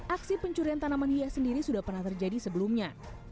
aksi pencurian tanaman hias sendiri sudah pernah terjadi sebelumnya